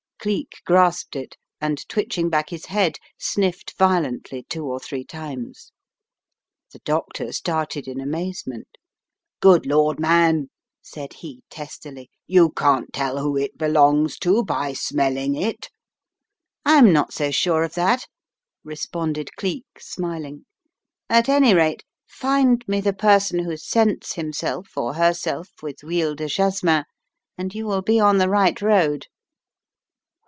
Cleek grasped it, and twitching back his head sniffed violently two or three times. The doctor started in amazement. "Good Lord, man, said he testily, "you can't tell who it belongs to by smelling it." "I'm not so sure of that," responded Cleek smiling. "At any rate, find me the person who scents himself or herself with Euile de Jasmin, and you will be on the right road."